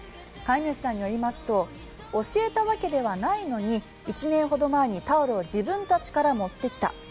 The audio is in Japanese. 飼い主さんによりますと教えたわけではないのに１年ほど前にタオルを自分たちから持ってきた。